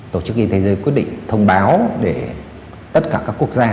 tổ chức yên thế giới quyết định thông báo để tất cả các quốc gia